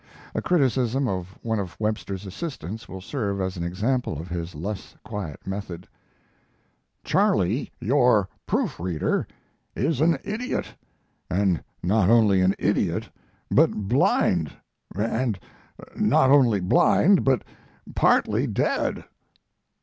A criticism of one of Webster's assistants will serve as an example of his less quiet method: Charley, your proof reader, is an idiot; and not only an idiot, but blind; and not only blind, but partly dead.